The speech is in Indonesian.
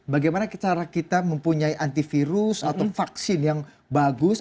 bagaimana cara kita mempunyai antivirus atau vaksin yang bagus